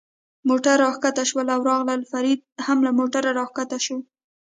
موټرو را کښته شول او راغلل، فرید هم له موټره را کښته شو.